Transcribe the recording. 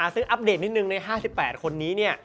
ซึ่งอัปเดตนิดนึงใน๕๘คนนี้